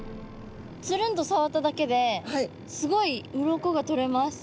つるんと触っただけですごい鱗がとれます。